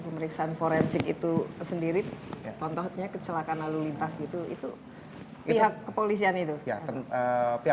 pemeriksaan forensik itu sendiri contohnya kecelakaan lalu lintas gitu itu pihak kepolisian itu pihak